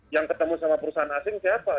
yang ketemu sama perusahaan asing siapa